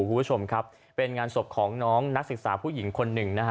คุณผู้ชมครับเป็นงานศพของน้องนักศึกษาผู้หญิงคนหนึ่งนะฮะ